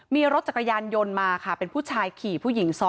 มีรถจักรยานยนต์มาค่ะเป็นผู้ชายขี่ผู้หญิงซ้อน